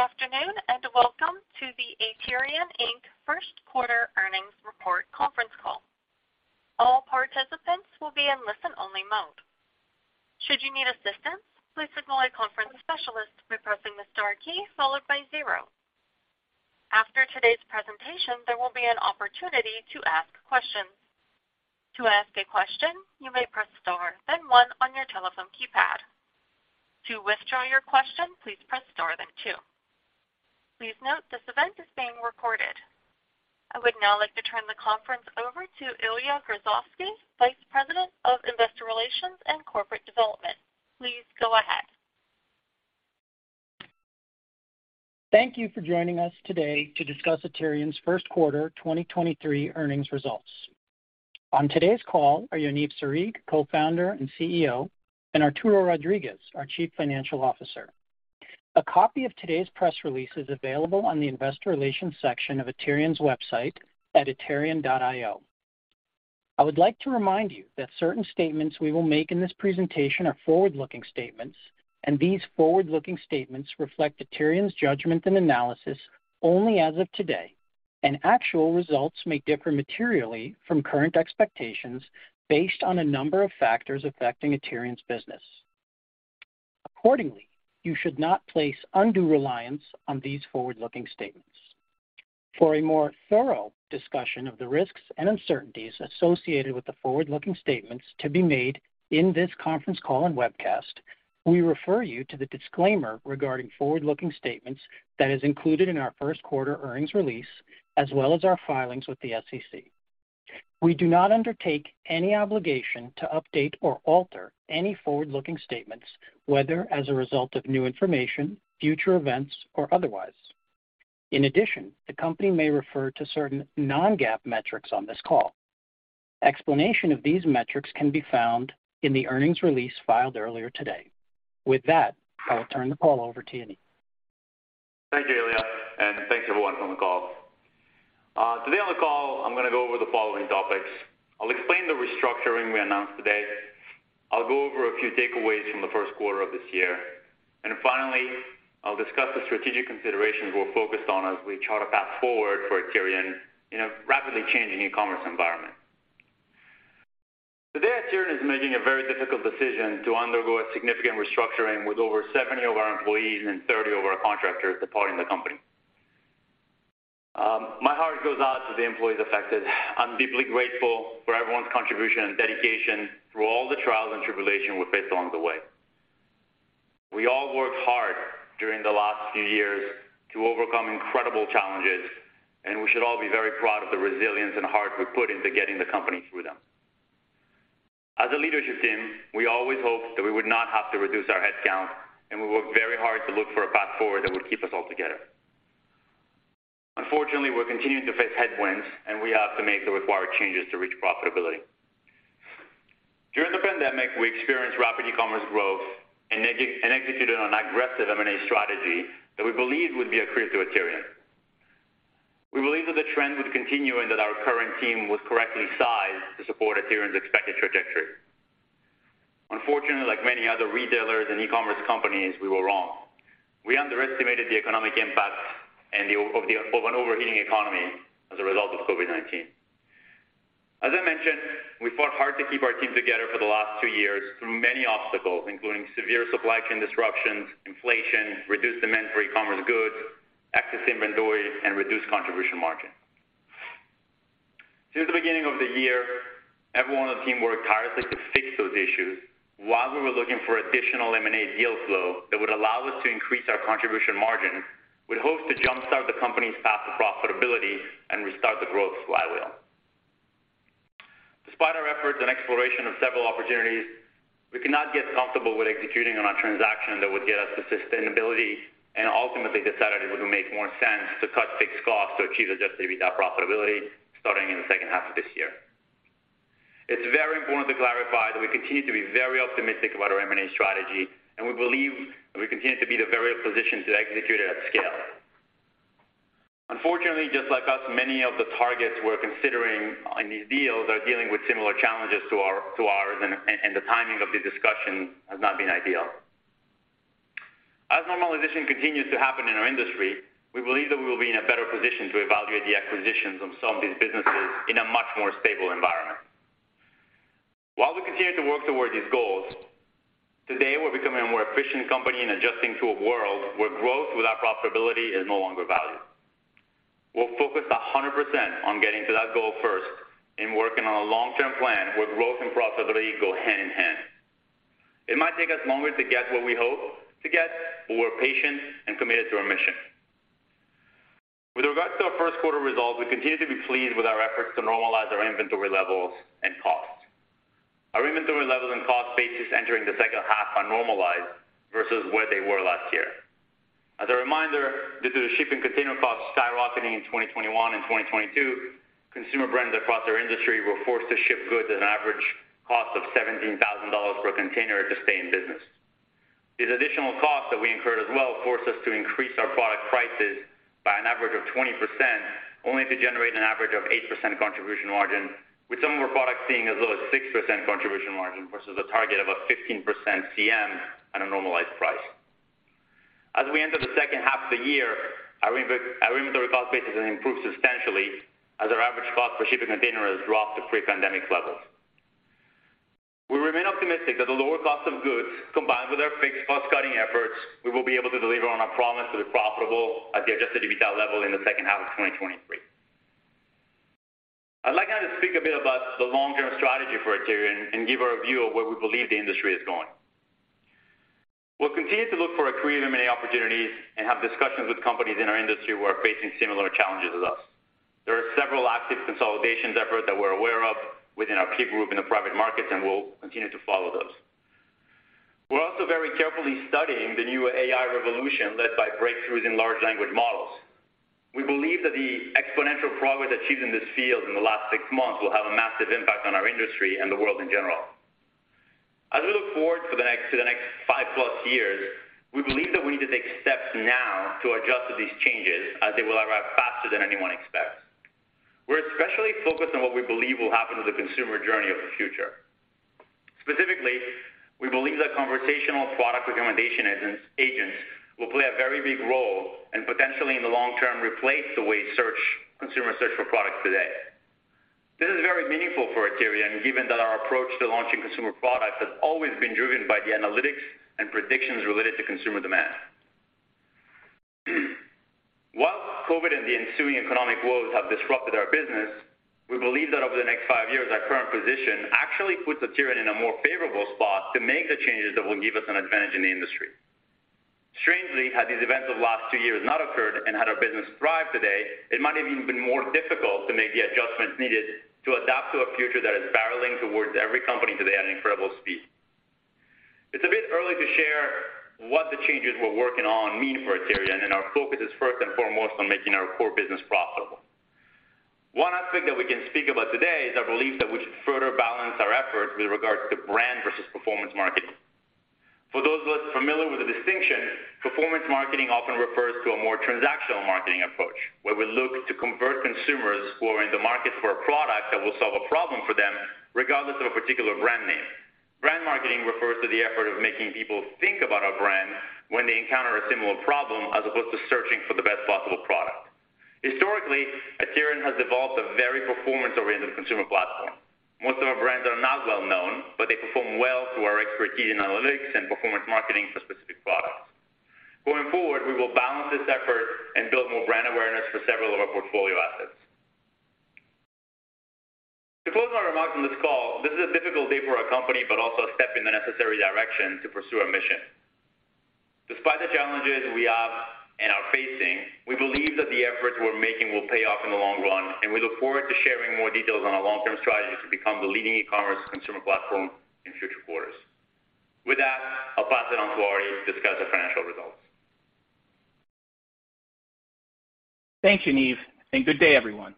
Good afternoon, and welcome to the Aterian, Inc. First Quarter Earnings Report Conference Call. All participants will be in listen-only mode. Should you need assistance, please signal a conference specialist by pressing the star key followed by zero. After today's presentation, there will be an opportunity to ask questions. To ask a question, you may press star then one on your telephone keypad. To withdraw your question, please press star then two. Please note this event is being recorded. I would now like to turn the conference over to Ilya Grozovsky, Vice President of Investor Relations and Corporate Development. Please go ahead. Thank you for joining us today to discuss Aterian's First Quarter 2023 Earnings Results. On today's call are Yaniv Sarig, Co-Founder and CEO, and Arturo Rodriguez, our Chief Financial Officer. A copy of today's press release is available on the investor relations section of Aterian's website at aterian.io. I would like to remind you that certain statements we will make in this presentation are forward-looking statements, and these forward-looking statements reflect Aterian's judgment and analysis only as of today, and actual results may differ materially from current expectations based on a number of factors affecting Aterian's business. Accordingly, you should not place undue reliance on these forward-looking statements. For a more thorough discussion of the risks and uncertainties associated with the forward-looking statements to be made in this conference call and webcast, we refer you to the disclaimer regarding forward-looking statements that is included in our 1st quarter earnings release, as well as our filings with the SEC. We do not undertake any obligation to update or alter any forward-looking statements, whether as a result of new information, future events, or otherwise. In addition, the company may refer to certain non-GAAP metrics on this call. Explanation of these metrics can be found in the earnings release filed earlier today. With that, I will turn the call over to Yaniv. Thank you, Ilya, and thanks everyone on the call. Today on the call, I'm gonna go over the following topics. I'll explain the restructuring we announced today. I'll go over a few takeaways from the 1st quarter of this year, and finally, I'll discuss the strategic considerations we're focused on as we chart a path forward for Aterian in a rapidly changing e-commerce environment. Today, Aterian is making a very difficult decision to undergo a significant restructuring with over 70 of our employees and 30 of our contractors departing the company. My heart goes out to the employees affected. I'm deeply grateful for everyone's contribution and dedication through all the trials and tribulation we faced along the way. We all worked hard during the last few years to overcome incredible challenges, and we should all be very proud of the resilience and heart we put into getting the company through them. As a leadership team, we always hoped that we would not have to reduce our headcount, and we worked very hard to look for a path forward that would keep us all together. Unfortunately, we're continuing to face headwinds, and we have to make the required changes to reach profitability. During the pandemic, we experienced rapid e-commerce growth and executed on aggressive M&A strategy that we believe would be accretive to Aterian. We believe that the trend would continue and that our current team was correctly sized to support Aterian's expected trajectory. Unfortunately, like many other retailers and e-commerce companies, we were wrong. We underestimated the economic impact and of an overheating economy as a result of COVID-19. As I mentioned, we fought hard to keep our team together for the last two years through many obstacles, including severe supply chain disruptions, inflation, reduced demand for e-commerce goods, excess inventory, and reduced contribution margin. Since the beginning of the year, everyone on the team worked tirelessly to fix those issues while we were looking for additional M&A deal flow that would allow us to increase our contribution margin. We hope to jump-start the company's path to profitability and restart the growth flywheel. Despite our efforts and exploration of several opportunities, we could not get comfortable with executing on a transaction that would get us to sustainability and ultimately decided it would make more sense to cut fixed costs to achieve adjusted EBITDA profitability starting in the 2nd half of this year. It's very important to clarify that we continue to be very optimistic about our M&A strategy, and we believe that we continue to be in the very position to execute it at scale. Unfortunately, just like us, many of the targets we're considering in these deals are dealing with similar challenges to ours, and the timing of the discussion has not been ideal. As normalization continues to happen in our industry, we believe that we will be in a better position to evaluate the acquisitions of some of these businesses in a much more stable environment. While we continue to work towards these goals, today we're becoming a more efficient company and adjusting to a world where growth without profitability is no longer valued. We're focused 100% on getting to that goal first and working on a long-term plan where growth and profitability go hand-in-hand. It might take us longer to get what we hope to get, but we're patient and committed to our mission. With regards to our 1st quarter results, we continue to be pleased with our efforts to normalize our inventory levels and costs. Our inventory levels and cost basis entering the 2nd half are normalized versus where they were last year. As a reminder, due to the shipping container costs skyrocketing in 2021 and 2022, consumer brands across our industry were forced to ship goods at an average cost of $17,000 per container to stay in business. These additional costs that we incurred as well forced us to increase our product prices of 20%, only to generate an average of 8% contribution margin, with some of our products seeing as low as 6% contribution margin versus a target of a 15% CM at a normalized price. As we enter the 2nd half of the year, our inventory cost basis has improved substantially as our average cost for shipping container has dropped to pre-pandemic levels. We remain optimistic that the lower cost of goods, combined with our fixed cost cutting efforts, we will be able to deliver on our promise of the profitable at the adjusted EBITDA level in the 2nd half of 2023. I'd like now to speak a bit about the long-term strategy for Aterian and give our view of where we believe the industry is going. We'll continue to look for accretive M&A opportunities and have discussions with companies in our industry who are facing similar challenges as us. There are several active consolidation efforts that we're aware of within our peer group in the private markets, and we'll continue to follow those. We're also very carefully studying the new AI revolution led by breakthroughs in large language models. We believe that the exponential progress achieved in this field in the last six months will have a massive impact on our industry and the world in general. As we look forward to the next five plus years, we believe that we need to take steps now to adjust to these changes as they will arrive faster than anyone expects. We're especially focused on what we believe will happen to the consumer journey of the future. Specifically, we believe that conversational product recommendation agents will play a very big role and potentially, in the long term, replace the way consumers search for products today. This is very meaningful for Aterian, given that our approach to launching consumer products has always been driven by the analytics and predictions related to consumer demand. COVID and the ensuing economic woes have disrupted our business, we believe that over the next five years, our current position actually puts Aterian in a more favorable spot to make the changes that will give us an advantage in the industry. Strangely, had these events of the last two years not occurred and had our business thrived today, it might have even been more difficult to make the adjustments needed to adapt to a future that is barreling towards every company today at an incredible speed. It's a bit early to share what the changes we're working on mean for Aterian, and our focus is first and foremost on making our core business profitable. One aspect that we can speak about today is our belief that we should further balance our efforts with regards to brand versus performance marketing. For those of us familiar with the distinction, performance marketing often refers to a more transactional marketing approach, where we look to convert consumers who are in the market for a product that will solve a problem for them regardless of a particular brand name. Brand marketing refers to the effort of making people think about our brand when they encounter a similar problem, as opposed to searching for the best possible product. Historically, Aterian has evolved a very performance-oriented consumer platform. Most of our brands are not well-known, but they perform well through our expertise in analytics and performance marketing for specific products. Going forward, we will balance this effort and build more brand awareness for several of our portfolio assets. To close my remarks on this call, this is a difficult day for our company, but also a step in the necessary direction to pursue our mission. Despite the challenges we have and are facing, we believe that the efforts we're making will pay off in the long run. We look forward to sharing more details on our long-term strategy to become the leading e-commerce consumer platform in future quarters. With that, I'll pass it on to Arty to discuss our financial results. Thank you, Niv, and good day, everyone.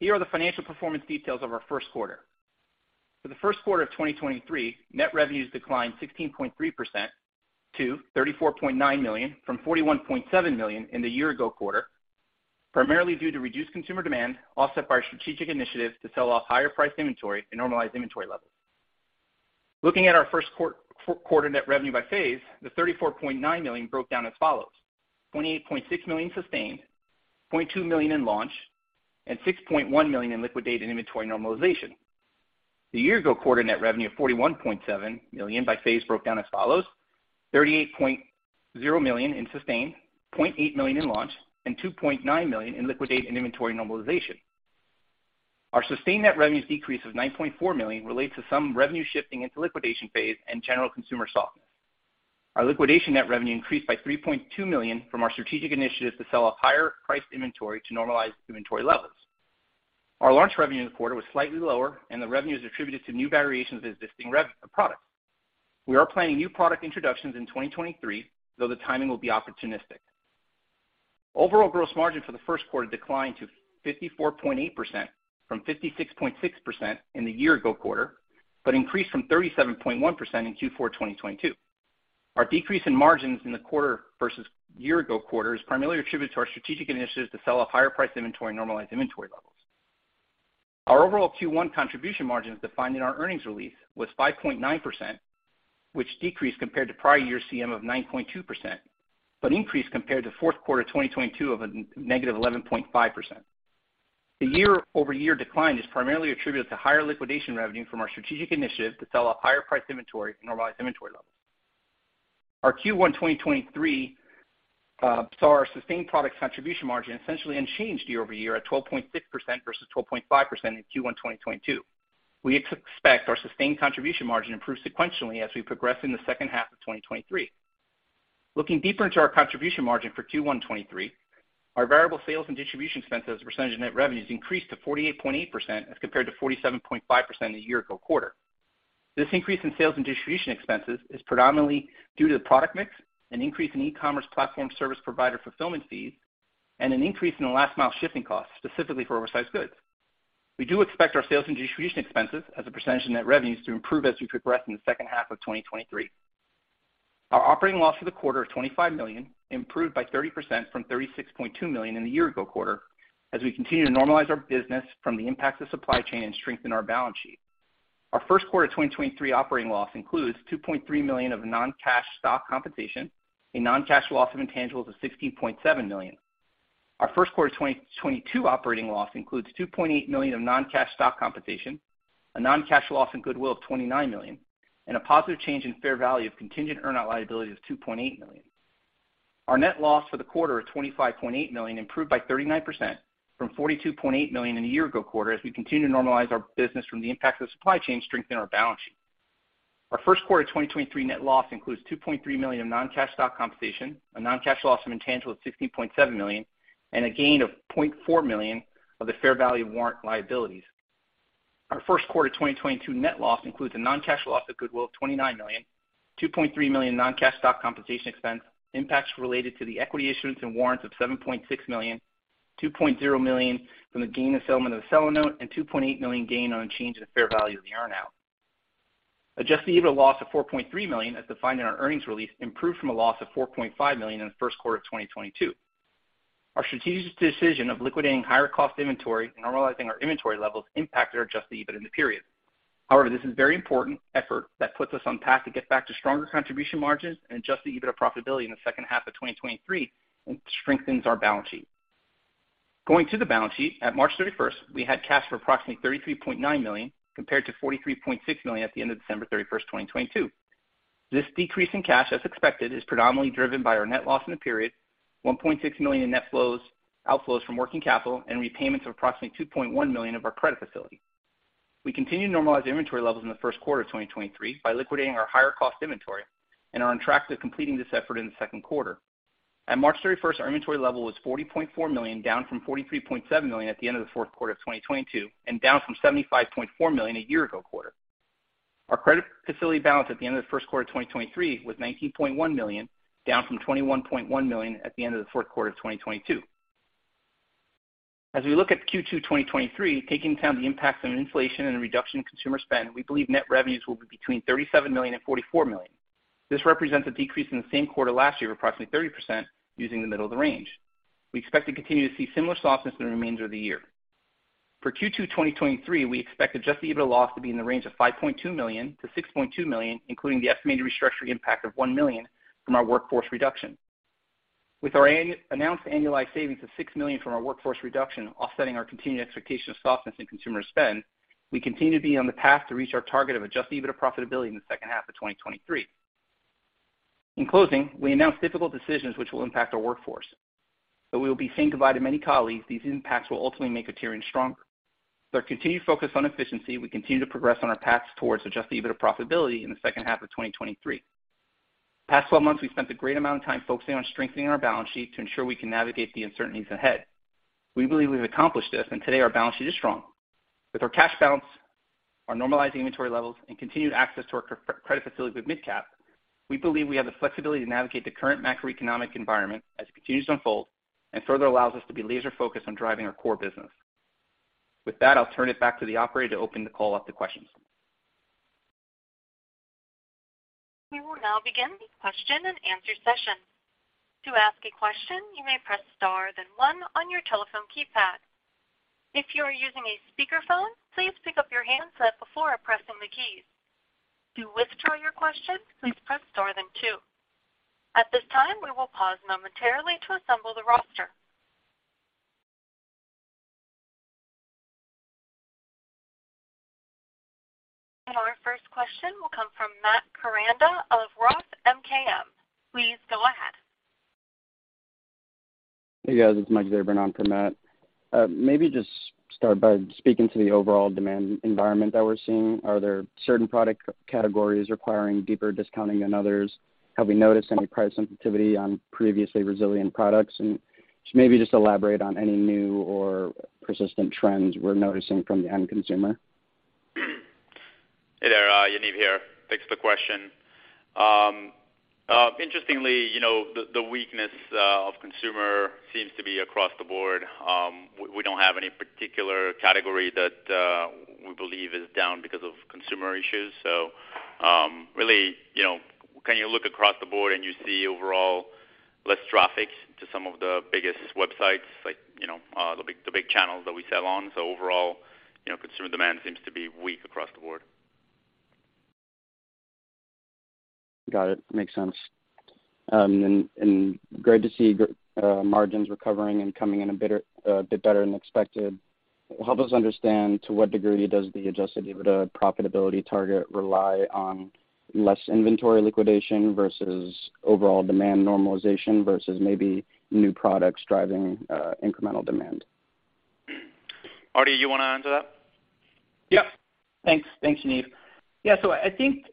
Here are the financial performance details of our 1st quarter. For the 1st quarter of 2023, net revenues declined 16.3% to $34.9 million from $41.7 million in the year ago quarter, primarily due to reduced consumer demand offset by our strategic initiatives to sell off higher priced inventory and normalize inventory levels. Looking at our 1st quarter net revenue by phase, the $34.9 million broke down as follows: $28.6 million sustain, $0.2 million in launch, and $6.1 million in liquidated inventory normalization. The year ago quarter net revenue of $41.7 million by phase broke down as follows: $38.0 million in sustain, $0.8 million in launch, and $2.9 million in liquidated inventory normalization. Our sustained net revenues decrease of $9.4 million relates to some revenue shifting into liquidation phase and general consumer softness. Our liquidation net revenue increased by $3.2 million from our strategic initiatives to sell off higher priced inventory to normalize inventory levels. Our launch revenue in the quarter was slightly lower, and the revenue is attributed to new variations of existing products. We are planning new product introductions in 2023, though the timing will be opportunistic. Overall gross margin for the 1st quarter declined to 54.8% from 56.6% in the year-ago quarter, but increased from 37.1% in Q4 2022. Our decrease in margins in the quarter versus year-ago quarter is primarily attributed to our strategic initiatives to sell off higher priced inventory and normalized inventory levels. Our overall Q1 contribution margin, as defined in our earnings release, was 5.9%, which decreased compared to prior year CM of 9.2%, but increased compared to Q4 2022 of a negative 11.5%. The year-over-year decline is primarily attributed to higher liquidation revenue from our strategic initiative to sell off higher priced inventory and normalized inventory levels. Our Q1 2023 saw our sustain product contribution margin essentially unchanged year-over-year at 12.6% versus 12.5% in Q1 2022. We expect our sustain contribution margin improve sequentially as we progress in the 2nd half of 2023. Looking deeper into our contribution margin for Q1 2023, our variable sales and distribution expenses as a percentage of net revenues increased to 48.8% as compared to 47.5% in the year ago quarter. This increase in sales and distribution expenses is predominantly due to the product mix, an increase in e-commerce platform service provider fulfillment fees, and an increase in the last mile shipping costs, specifically for oversized goods. We do expect our sales and distribution expenses as a percentage of net revenues to improve as we progress in the 2nd half of 2023. Our operating loss for the quarter of $25 million improved by 30% from $36.2 million in the year ago quarter as we continue to normalize our business from the impacts of supply chain and strengthen our balance sheet. Our 1st quarter of 2023 operating loss includes $2.3 million of non-cash stock compensation, a non-cash loss of intangibles of $16.7 million. Our 1st quarter of 2022 operating loss includes $2.8 million of non-cash stock compensation, a non-cash loss in goodwill of $29 million, and a positive change in fair value of contingent earnout liability of $2.8 million. Our net loss for the quarter of $25.8 million improved by 39% from $42.8 million in the year-ago quarter as we continue to normalize our business from the impacts of supply chain strengthen our balance sheet. Our 1st quarter of 2023 net loss includes $2.3 million of non-cash stock compensation, a non-cash loss from intangibles of $16.7 million, and a gain of $0.4 million of the fair value warrant liabilities. Our 1st quarter of 2022 net loss includes a non-cash loss of goodwill of $29 million, $2.3 million non-cash stock compensation expense, impacts related to the equity issuance and warrants of $7.6 million, $2.0 million from the gain of settlement of the seller note, and $2.8 million gain on change in the fair value of the earnout. adjusted EBITDA loss of $4.3 million, as defined in our earnings release, improved from a loss of $4.5 million in the 1st quarter of 2022. Our strategic decision of liquidating higher cost inventory and normalizing our inventory levels impacted our adjusted EBIT in the period. This is very important effort that puts us on path to get back to stronger contribution margins and adjusted EBITDA profitability in the 2nd half of 2023 and strengthens our balance sheet. Going to the balance sheet, at March 31st, we had cash for approximately $33.9 million compared to $43.6 million at the end of December 31st, 2022. This decrease in cash, as expected, is predominantly driven by our net loss in the period, $1.6 million in net outflows from working capital, and repayments of approximately $2.1 million of our credit facility. We continue to normalize inventory levels in the 1st quarter of 2023 by liquidating our higher cost inventory and are on track to completing this effort in the 2nd quarter. At March 31st, our inventory level was $40.4 million, down from $43.7 million at the end of the 4th quarter of 2022 and down from $75.4 million a year ago quarter. Our credit facility balance at the end of the 1st quarter of 2023 was $19.1 million, down from $21.1 million at the end of the 4th quarter of 2022. As we look at Q2, 2023, taking into account the impacts of inflation and reduction in consumer spend, we believe net revenues will be between $37 million and $44 million. This represents a decrease in the same quarter last year of approximately 30% using the middle of the range. We expect to continue to see similar softness in the remainder of the year. For Q2, 2023, we expect adjusted EBITDA loss to be in the range of $5.2 million-$6.2 million, including the estimated restructuring impact of $1 million from our workforce reduction. With our announced annualized savings of $6 million from our workforce reduction offsetting our continued expectation of softness in consumer spend, we continue to be on the path to reach our target of adjusted EBITDA profitability in the 2nd half of 2023. In closing, we announced difficult decisions which will impact our workforce. We will be saying goodbye to many colleagues. These impacts will ultimately make Aterian stronger. With our continued focus on efficiency, we continue to progress on our paths towards adjusted EBITDA profitability in the 2nd half of 2023. Past 12 months, we've spent a great amount of time focusing on strengthening our balance sheet to ensure we can navigate the uncertainties ahead. We believe we've accomplished this, and today our balance sheet is strong. With our cash balance, our normalized inventory levels, and continued access to our credit facility with MidCap, we believe we have the flexibility to navigate the current macroeconomic environment as it continues to unfold and further allows us to be laser focused on driving our core business. With that, I'll turn it back to the operator to open the call up to questions. We will now begin the question and answer session. To ask a question, you may press star then one on your telephone keypad. If you are using a speakerphone, please pick up your handset before pressing the keys. To withdraw your question, please press star then two. At this time, we will pause momentarily to assemble the roster. Our first question will come from Matt Koranda of ROTH MKM. Please go ahead. Hey, guys. It's Mike Zabran on for Matt. maybe just start by speaking to the overall demand environment that we're seeing. Are there certain product categories requiring deeper discounting than others? Have we noticed any price sensitivity on previously resilient products? maybe just elaborate on any new or persistent trends we're noticing from the end consumer. Hey there, Yaniv here. Thanks for the question. Interestingly, you know, the weakness of consumer seems to be across the board. We don't have any particular category that we believe is down because of consumer issues. Really, you know, when you look across the board and you see overall less traffic to some of the biggest websites, like, you know, the big channels that we sell on. Overall, you know, consumer demand seems to be weak across the board. Got it. Makes sense. Great to see margins recovering and coming in a bit better than expected. Help us understand to what degree does the adjusted EBITDA profitability target rely on less inventory liquidation versus overall demand normalization versus maybe new products driving incremental demand. Arty, you wanna answer that? Yeah. Thanks. Thanks, Yaniv. I think,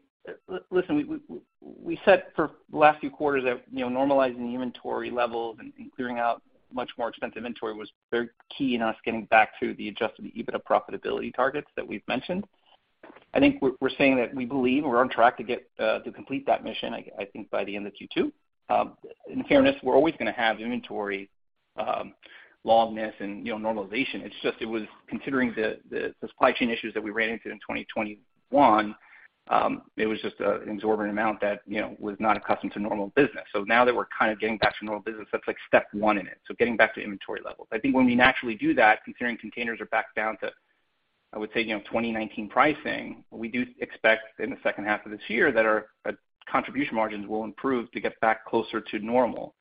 listen, we said for the last few quarters that, you know, normalizing the inventory levels and clearing out much more expensive inventory was very key in us getting back to the adjusted EBITDA profitability targets that we've mentioned. I think we're saying that we believe we're on track to get to complete that mission, I think, by the end of Q2. In fairness, we're always gonna have inventory longness and, you know, normalization. It's just it was considering the supply chain issues that we ran into in 2021, it was just an exorbitant amount that, you know, was not accustomed to normal business. Now that we're kind of getting back to normal business, that's like step one in it. Getting back to inventory levels. I think when we naturally do that, considering containers are back down to, I would say, you know, 2019 pricing, we do expect in the 2nd half of this year that our contribution margins will improve to get back closer to normal.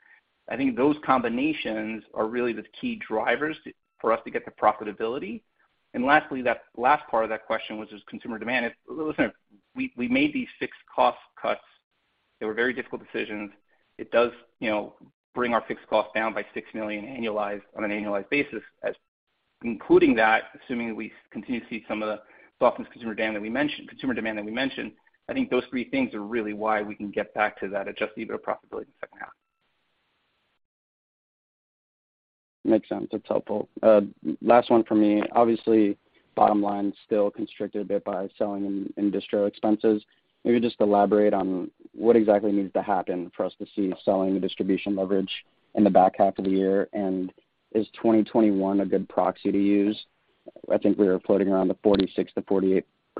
I think those combinations are really the key drivers for us to get the profitability. Lastly, that last part of that question was just consumer demand. Listen, we made these fixed cost cuts. They were very difficult decisions. It does, you know, bring our fixed costs down by $6 million annualized on an annualized basis as including that, assuming that we continue to see some of the softness consumer demand that we mentioned, I think those three things are really why we can get back to that adjusted EBITDA profitability in the 2nd half. Makes sense. That's helpful. Last one for me. Obviously, bottom line is still constricted a bit by selling and industrial expenses. Maybe just elaborate on what exactly needs to happen for us to see selling the distribution leverage in the back half of the year. Is 2021 a good proxy to use? I think we were floating around the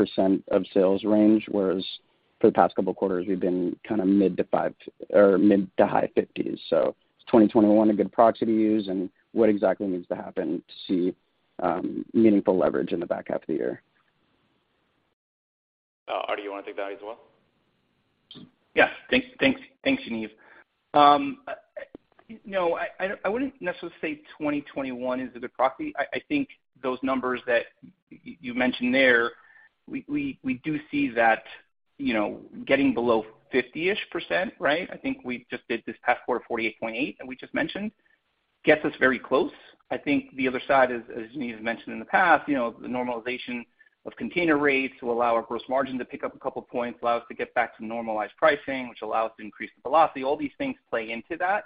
46%-48% of sales range, whereas for the past couple quarters, we've been kind of mid to five or mid to high 50s. Is 2021 a good proxy to use, and what exactly needs to happen to see meaningful leverage in the back half of the year? Arty, you want to take that as well? Yes. Thanks. Thanks. Thanks, Yaniv. No, I wouldn't necessarily say 2021 is a good proxy. I think those numbers that you mentioned there, we do see that, you know, getting below 50-ish%, right? I think we just did this past quarter 48.8%, and we just mentioned, gets us very close. I think the other side, as Yaniv has mentioned in the past, you know, the normalization of container rates will allow our gross margin to pick up a couple of points, allow us to get back to normalized pricing, which allow us to increase the velocity. All these things play into that.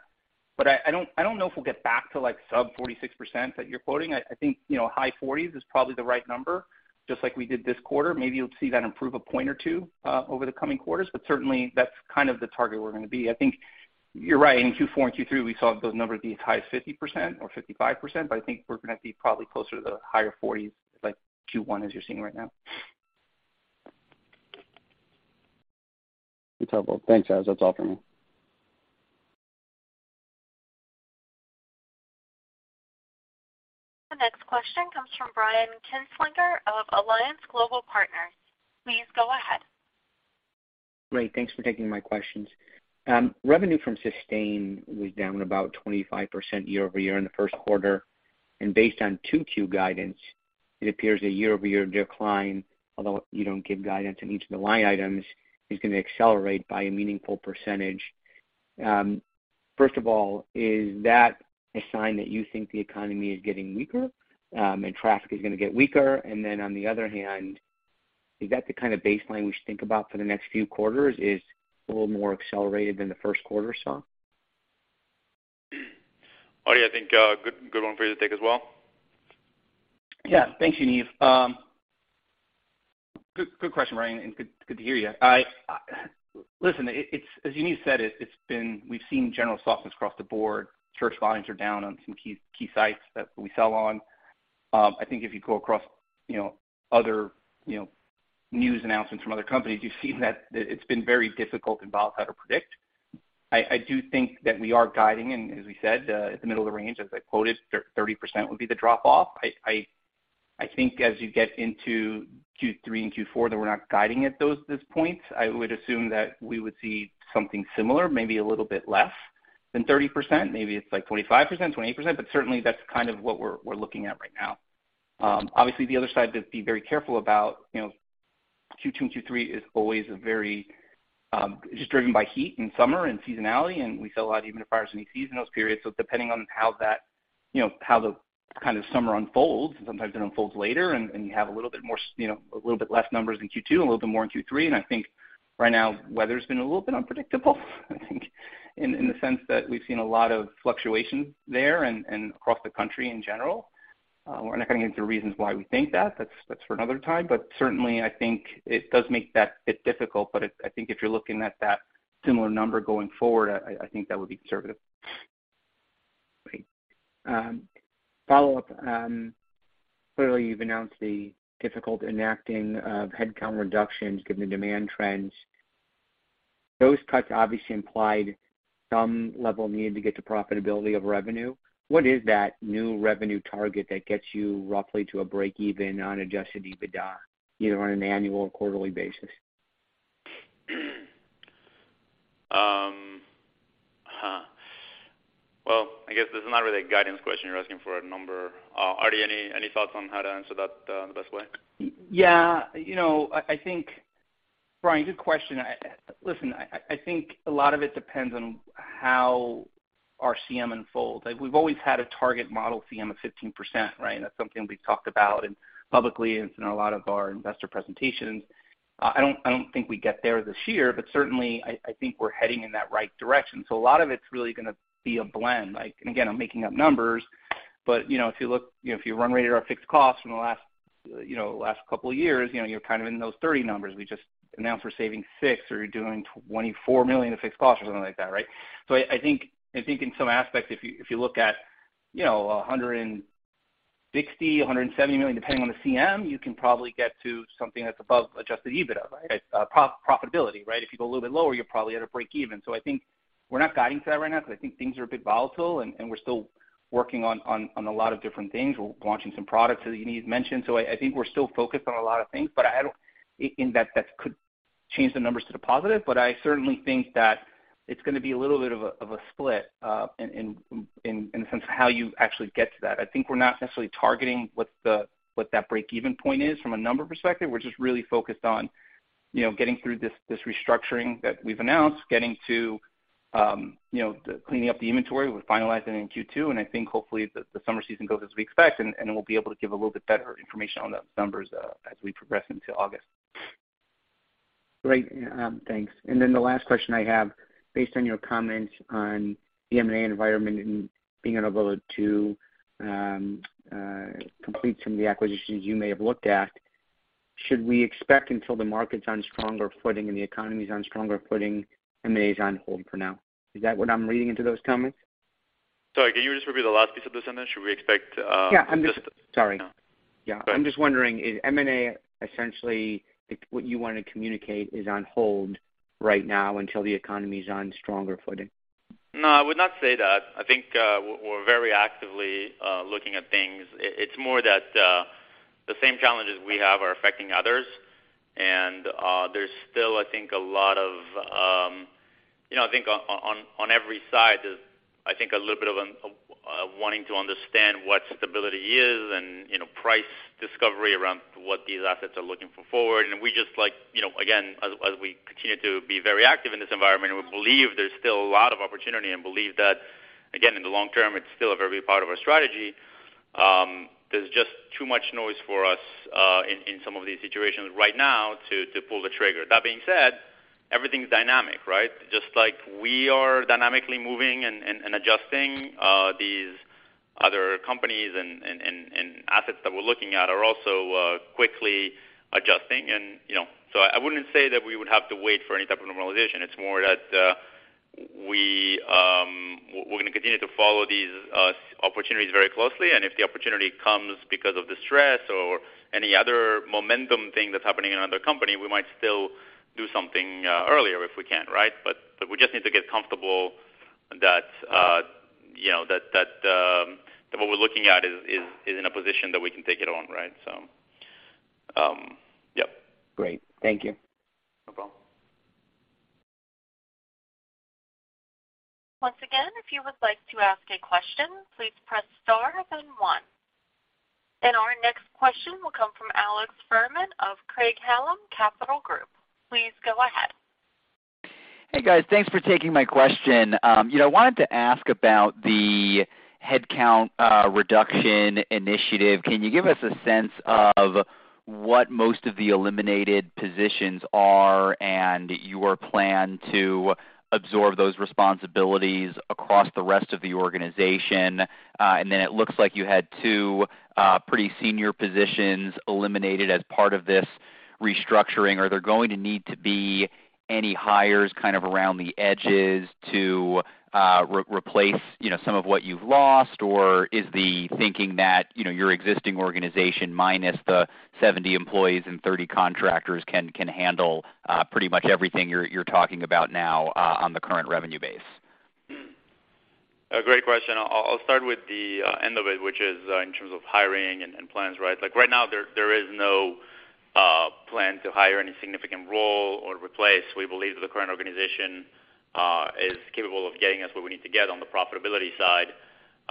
I don't know if we'll get back to, like, sub 46% that you're quoting. I think, you know, high 40s is probably the right number, just like we did this quarter. Maybe you'll see that improve a point or two over the coming quarters. Certainly that's kind of the target we're going to be. I think you're right. In Q4 and Q3, we saw those numbers be as high as 50% or 55%, I think we're gonna be probably closer to the higher 40s like Q1 as you're seeing right now. That's helpful. Thanks, guys. That's all for me. The next question comes from Brian Kinstlinger of Alliance Global Partners. Please go ahead. Great. Thanks for taking my questions. Revenue from sustain was down about 25% year-over-year in the 1st quarter and based on 2Q guidance, it appears a year-over-year decline, although you don't give guidance in each of the line items, is going to accelerate by a meaningful percentage. First of all, is that a sign that you think the economy is getting weaker, and traffic is going to get weaker? Then on the other hand, is that the kind of baseline we should think about for the next few quarters is a little more accelerated than the 1st quarter saw? Arty, I think, good one for you to take as well. Yeah. Thanks, Yaniv. Good, good question, Brian, and good to hear you. Listen, it's as Yaniv said, we've seen general softness across the board. Church volumes are down on some key sites that we sell on. I think if you go across, you know, other, you know, news announcements from other companies, you've seen that it's been very difficult and volatile to predict. I do think that we are guiding, and as we said, at the middle of the range, as I quoted, 30% would be the drop off. I think as you get into Q3 and Q4, that we're not guiding at those points. I would assume that we would see something similar, maybe a little bit less than 30%. Maybe it's like 25%, 28%. Certainly that's kind of what we're looking at right now. Obviously the other side to be very careful about, you know, Q2 and Q3 is always a very, just driven by heat and summer and seasonality, and we sell a lot even of fires in the season, those periods. Depending on how that, you know, how the kind of summer unfolds, sometimes it unfolds later and you have a little bit more, you know, a little bit less numbers in Q2, a little bit more in Q3. I think right now, weather's been a little bit unpredictable, I think, in the sense that we've seen a lot of fluctuation there and across the country in general. We're not getting into reasons why we think that. That's for another time. Certainly I think it does make that bit difficult. I think if you're looking at that similar number going forward, I think that would be conservative. Great. Follow-up, clearly you've announced the difficult enacting of headcount reductions given the demand trends. Those cuts obviously implied some level needed to get to profitability of revenue. What is that new revenue target that gets you roughly to a break-even on adjusted EBITDA, either on an annual or quarterly basis? Well, I guess this is not really a guidance question. You're asking for a number. Arty, any thoughts on how to answer that the best way? You know, I think, Brian, good question. Listen, I think a lot of it depends on how our CM unfolds. Like, we've always had a target model CM of 15%, right? That's something we've talked about and publicly, it's in a lot of our investor presentations. I don't think we get there this year, but certainly I think we're heading in that right direction. A lot of it's really gonna be a blend. Like, and again, I'm making up numbers. You know, if you look, you know, if you run rate our fixed costs from the last, you know, last couple of years, you know, you're kind of in those 30 numbers. We just announced we're saving $6 million or you're doing $24 million in fixed costs or something like that, right? I think, I think in some aspects, if you, if you look at, you know, $160 million-$170 million, depending on the CM, you can probably get to something that's above adjusted EBITDA, right? Pro-profitability, right? If you go a little bit lower, you're probably at a break even. I think we're not guiding to that right now because I think things are a bit volatile and we're still working on a lot of different things. We're launching some products that Yaniv's mentioned. I think we're still focused on a lot of things, but I don't in that could change the numbers to the positive. I certainly think that it's gonna be a little bit of a, of a split, in a sense of how you actually get to that. I think we're not necessarily targeting what that break-even point is from a number perspective. We're just really focused on, you know, getting through this restructuring that we've announced, getting to, you know, the cleaning up the inventory. We're finalizing it in Q2, and I think hopefully the summer season goes as we expect, and we'll be able to give a little bit better information on those numbers, as we progress into August. Great. Thanks. The last question I have, based on your comments on the M&A environment and being unable to complete some of the acquisitions you may have looked at, should we expect until the market's on stronger footing and the economy's on stronger footing, M&A's on hold for now? Is that what I'm reading into those comments? Sorry, can you just repeat the last piece of the sentence? Should we expect... Yeah, I'm just... Sorry. Yeah. Go ahead. I'm just wondering, is M&A essentially what you wanna communicate is on hold right now until the economy's on stronger footing? No, I would not say that. I think, we're very actively looking at things. It's more that the same challenges we have are affecting others. There's still, I think, a lot of, You know, I think on every side, there's, I think, a little bit of wanting to understand what stability is and, you know, price discovery around what these assets are looking for forward. We just like, you know, again, as we continue to be very active in this environment, and we believe there's still a lot of opportunity and believe that, again, in the long term, it's still a very big part of our strategy. There's just too much noise for us in some of these situations right now to pull the trigger. That being said, everything's dynamic, right? Just like we are dynamically moving and adjusting, these other companies and assets that we're looking at are also, quickly adjusting and, you know. I wouldn't say that we would have to wait for any type of normalization. It's more that, we're gonna continue to follow these opportunities very closely, and if the opportunity comes because of the stress or any other momentum thing that's happening in another company, we might still do something earlier if we can, right? We just need to get comfortable that, you know, that, that what we're looking at is in a position that we can take it on, right? Yep. Great. Thank you. No problem. Once again, if you would like to ask a question, please press star then one. Our next question will come from Alex Fuhrman of Craig-Hallum Capital Group. Please go ahead. Hey, guys. Thanks for taking my question. you know, I wanted to ask about the headcount reduction initiative. Can you give us a sense of what most of the eliminated positions are and your plan to absorb those responsibilities across the rest of the organization? It looks like you had two pretty senior positions eliminated as part of this restructuring. Are there going to need to be any hires kind of around the edges to re-replace, you know, some of what you've lost? Or is the thinking that, you know, your existing organization minus the 70 employees and 30 contractors can handle pretty much everything you're talking about now on the current revenue base? A great question. I'll start with the end of it, which is in terms of hiring and plans, right? Like, right now there is no plan to hire any significant role or replace. We believe the current organization is capable of getting us where we need to get on the profitability side.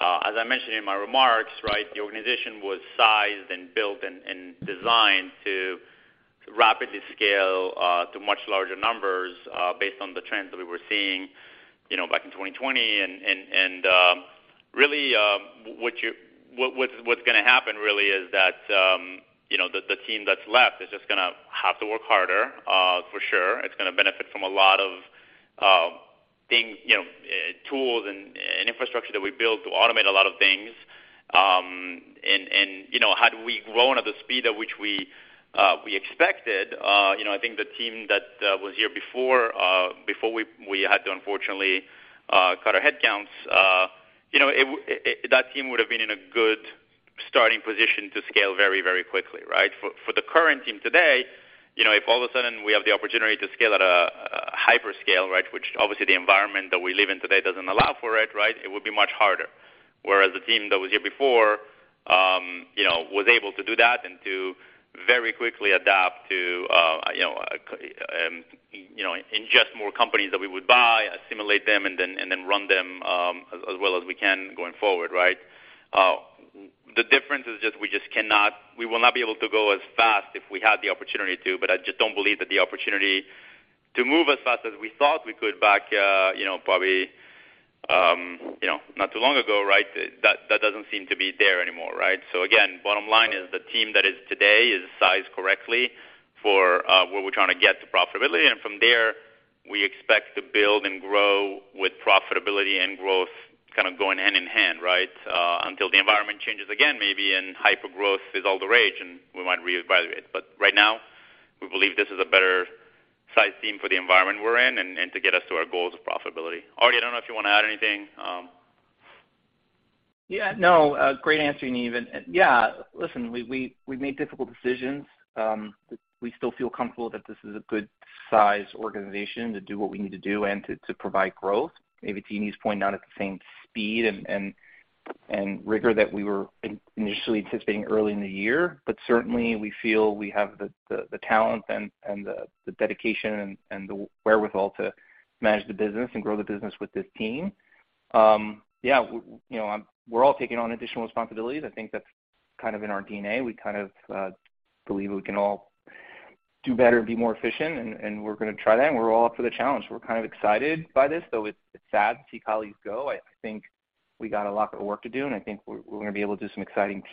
As I mentioned in my remarks, right, the organization was sized and built and designed to rapidly scale to much larger numbers, based on the trends that we were seeing, you know, back in 2020. Really, what's gonna happen really is that, you know, the team that's left is just gonna have to work harder, for sure. It's gonna benefit from a lot of things, you know, tools and infrastructure that we built to automate a lot of things. You know, had we grown at the speed at which we expected, you know, I think the team that was here before we had to unfortunately, cut our headcounts, you know, that team would have been in a good starting position to scale very quickly, right? For the current team today, you know, if all of a sudden we have the opportunity to scale at a hyperscale, right, which obviously the environment that we live in today doesn't allow for it, right, it would be much harder. Whereas the team that was here before, you know, was able to do that and to very quickly adapt to, you know, you know, ingest more companies that we would buy, assimilate them, and then run them, as well as we can going forward, right. The difference is just we will not be able to go as fast if we had the opportunity to, but I just don't believe that the opportunity to move as fast as we thought we could back, you know, probably, you know, not too long ago, right, that doesn't seem to be there anymore. Right. Again, bottom line is the team that is today is sized correctly for, where we're trying to get to profitability. From there, we expect to build and grow with profitability and growth kind of going hand-in-hand, right? Until the environment changes again, maybe and hyper-growth is all the rage, and we might reevaluate. Right now, we believe this is a better sized team for the environment we're in and to get us to our goals of profitability. Arty, I don't know if you wanna add anything. Yeah, no. Great answer, Yaniv. Yeah, listen, we've made difficult decisions, but we still feel comfortable that this is a good size organization to do what we need to do and to provide growth. Maybe team is pointing out at the same speed and rigor that we were initially anticipating early in the year. Certainly we feel we have the talent and the dedication and the wherewithal to manage the business and grow the business with this team. Yeah, you know, we're all taking on additional responsibilities. I think that's kind of in our DNA. We kind of believe we can all do better and be more efficient, and we're gonna try that, and we're all up for the challenge. We're kind of excited by this, though it's sad to see colleagues go. I think we got a lot of work to do, I think we're gonna be able to do some exciting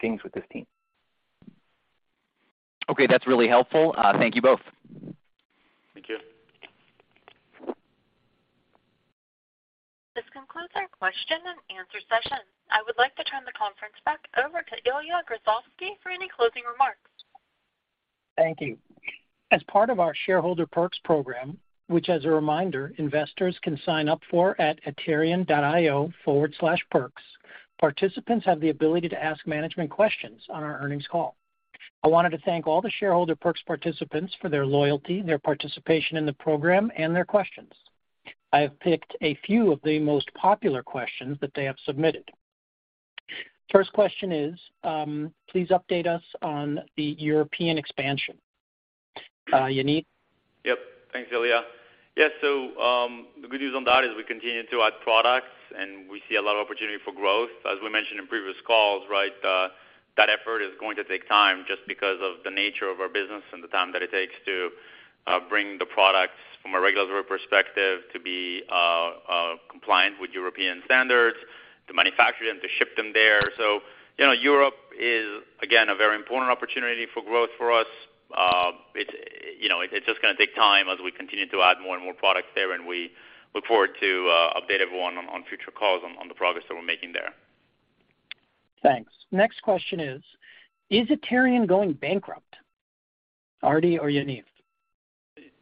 things with this team. Okay. That's really helpful. Thank you both. Thank you. This concludes our question and answer session. I would like to turn the conference back over to Ilya Grozovsky for any closing remarks. Thank you. As part of our Shareholder Perks Program, which as a reminder, investors can sign up for at aterian.io/perks, participants have the ability to ask management questions on our earnings call. I wanted to thank all the shareholder perks participants for their loyalty, their participation in the program and their questions. I have picked a few of the most popular questions that they have submitted. First question is, please update us on the European expansion. Yaniv? Yep. Thanks, Ilya. Yeah. The good news on that is we continue to add products, and we see a lot of opportunity for growth. As we mentioned in previous calls, right, that effort is going to take time just because of the nature of our business and the time that it takes to bring the products from a regulatory perspective to be compliant with European standards, to manufacture them, to ship them there. You know, Europe is again a very important opportunity for growth for us. It, you know, it's just gonna take time as we continue to add more and more products there, and we look forward to update everyone on future calls on the progress that we're making there. Thanks. Next question is Aterian going bankrupt? Arty or Yaniv?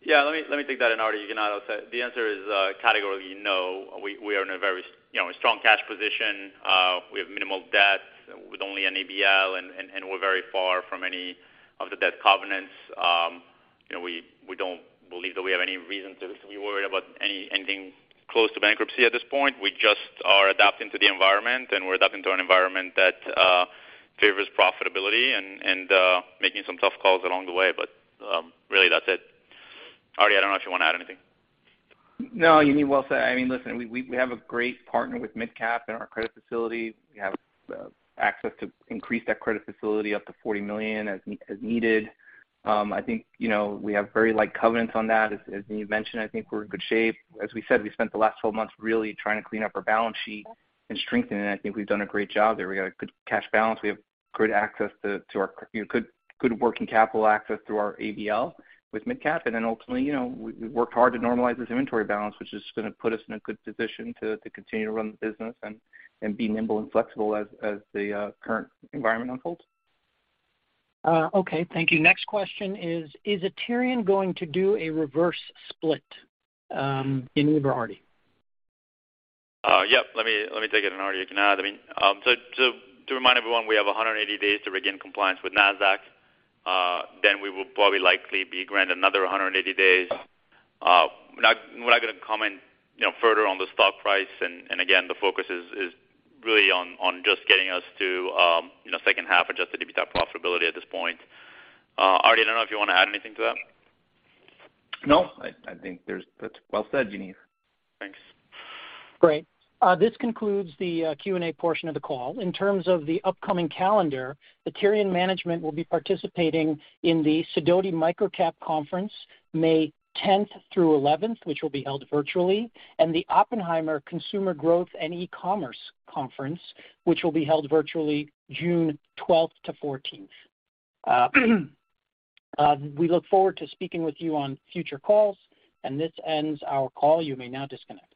Yeah, let me take that. Arty, you can add also. The answer is, categorically, no. We are in a very, you know, strong cash position. We have minimal debt with only an ABL, and we're very far from any of the debt covenants. You know, we don't believe that we have any reason to be worried about anything close to bankruptcy at this point. We just are adapting to the environment, and we're adapting to an environment that favors profitability and making some tough calls along the way. Really that's it. Arty, I don't know if you wanna add anything. Yaniv, well said. I mean, listen, we have a great partner with MidCap in our credit facility. We have access to increase that credit facility up to $40 million as needed. I think, you know, we have very light covenants on that. As Yaniv mentioned, I think we're in good shape. As we said, we spent the last 12 months really trying to clean up our balance sheet and strengthen it, and I think we've done a great job there. We got a good cash balance. We have good access to our, you know, good working capital access through our ABL with MidCap. Ultimately, you know, we worked hard to normalize this inventory balance, which is gonna put us in a good position to continue to run the business and be nimble and flexible as the current environment unfolds. Okay. Thank you. Next question is Aterian going to do a reverse split? Yaniv or Arty? Yep. Let me take it, and Arty, you can add. I mean, so to remind everyone, we have 180 days to regain compliance with Nasdaq, then we will probably likely be granted another 180 days. We're not gonna comment, you know, further on the stock price. Again, the focus is really on just getting us to, you know, 2nd half adjusted EBITDA profitability at this point. Arty, I don't know if you wanna add anything to that. No, I think there's. That's well said, Yaniv. Thanks. Great. This concludes the Q&A portion of the call. In terms of the upcoming calendar, Aterian management will be participating in the Sidoti Microcap Conference May 10th through 11th, which will be held virtually, and the Oppenheimer Consumer Growth and E-Commerce Conference, which will be held virtually June 12th to 14th. We look forward to speaking with you on future calls. This ends our call. You may now disconnect.